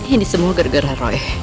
ini semua gara gara roy